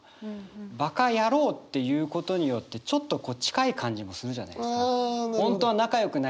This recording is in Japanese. バカヤローって言うことによってちょっと近い感じもするじゃないですか。